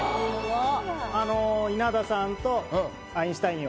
あの稲田さんとアインシュタインを。